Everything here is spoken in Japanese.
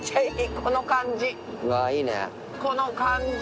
この感じ。